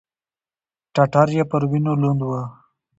ټټر يې پر وينو لوند و.